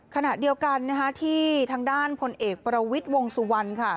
ขณะเดียวกันนะคะที่ทางด้านพลเอกประวิทย์วงสุวรรณค่ะ